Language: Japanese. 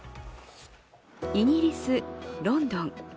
イギリス・ロンドン。